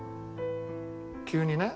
急にね